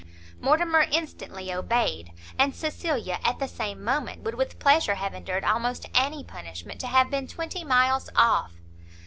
Mortimer instantly obeyed; and Cecilia at the same moment would with pleasure have endured almost any punishment to have been twenty miles off.